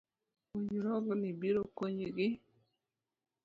Puonjruokni biro konyogi